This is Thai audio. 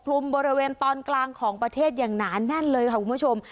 บริเวณตอนกลางของประเทศอย่างหนาแน่นเลยค่ะคุณผู้ชม